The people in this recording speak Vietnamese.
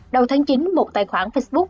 đầu tháng chín một tài khoản facebook